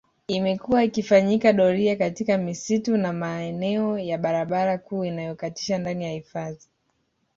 Imekuwa ikifanyika doria katika misitu na maeneo ya barabara kuu inayokatisha ndani ya hifadhi